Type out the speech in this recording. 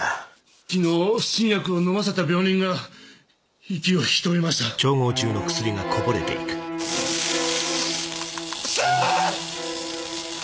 昨日新薬をのませた病人が息を引き取りましたくそ！